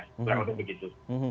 kurang lebih begitu